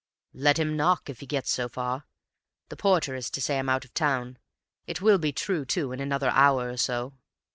"Let him knock if he gets so far. The porter is to say I'm out of town; it will be true, too, in another hour or so."